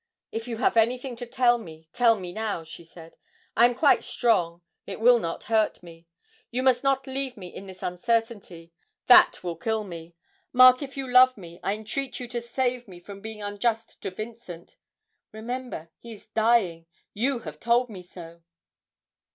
'If you have anything to tell me, tell me now,' she said. 'I am quite strong; it will not hurt me. You must not leave me in this uncertainty that will kill me! Mark, if you love me, I entreat you to save me from being unjust to Vincent. Remember, he is dying you have told me so!'